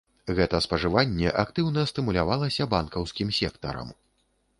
Гэта спажыванне актыўна стымулявалася банкаўскім сектарам.